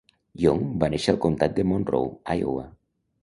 Young va néixer al Comtat de Monroe, Iowa.